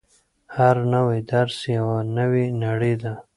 هر نوی درس یوه نوې نړۍ ده.